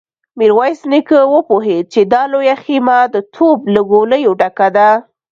ميرويس نيکه وپوهيد چې دا لويه خيمه د توپ له ګوليو ډکه ده.